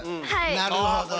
なるほど。